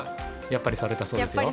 やっぱりされたんですね。